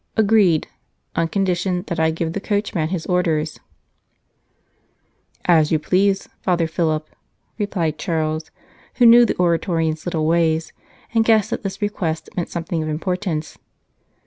Agreed, on condition that I give the coach man his orders." 170 The Oblates of St. Ambrose " As you please, Father Philip," replied Charles, who knew the Oratorian s little ways, and guessed that this request meant something of importance.